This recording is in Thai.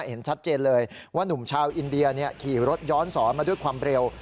เห็นชัดเจนเลยว่านุ่มชาวอินเดียขี่รถย้อนสอนมาด้วยความเร็ว